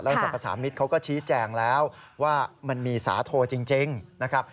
แล้วศักดิ์สามิทเขาก็ชี้แจงแล้วว่ามันมีสาโทจริงนะครับ